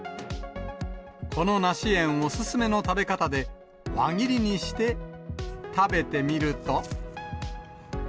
この梨園お勧めの食べ方で、輪切りにして食べてみると。